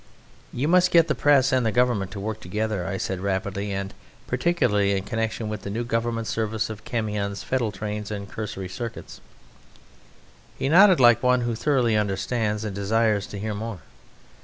"You must get the Press and the Government to work together," I said rapidly, "and particularly in connection with the new Government Service of Camion's Fettle Trains and Cursory Circuits." He nodded like one who thoroughly understands and desires to hear more.